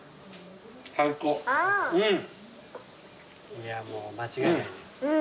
いやもう間違いないね。